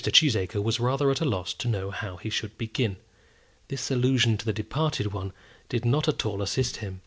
Cheesacre was rather at a loss to know how he should begin. This allusion to the departed one did not at all assist him.